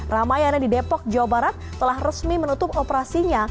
ramayana di depok jawa barat telah resmi menutup operasinya